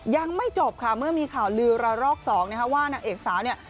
ยังไม่จบค่ะเมื่อมีข่าวลือระรอกสองนะคะว่านางเอกสาวเนี่ย